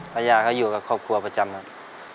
ภรรยาก็อยู่กับครอบครัวประจำครับ